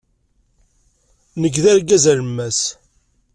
Nekk d argaz alemmas.